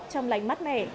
trong lánh mắt mẻ